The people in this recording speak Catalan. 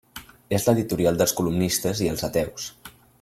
És l'editorial dels comunistes i els ateus.